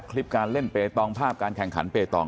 คุณยายบอกว่ารู้สึกเหมือนใครมายืนอยู่ข้างหลัง